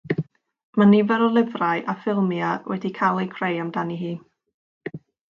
Mae nifer o lyfrau a ffilmiau wedi cael eu creu amdani hi.